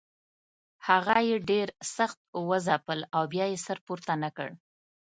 هغه یې ډېر سخت وځپل او بیا یې سر پورته نه کړ.